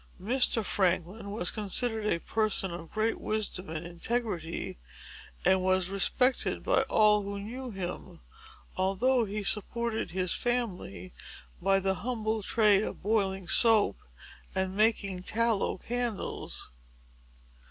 Mr. Franklin was considered a person of great wisdom and integrity, and was respected by all who knew him, although he supported his family by the humble trade of boiling soap, and making tallow candles.